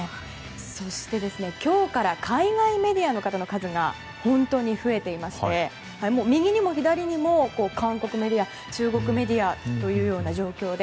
そして、今日から海外メディアの方の数が本当に増えていまして右にも左にも韓国メディア中国メディアという状況で。